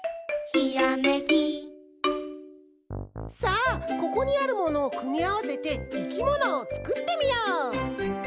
さあここにあるものをくみあわせていきものをつくってみよう！